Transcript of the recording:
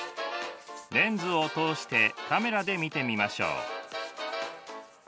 レンズを通してカメラで見てみましょう。